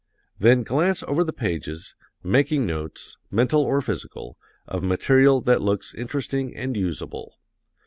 Then glance over the pages, making notes, mental or physical, of material that looks interesting and usable.